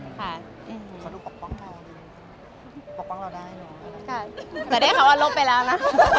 ยังได้คำว่ารวบไปแล้วนะ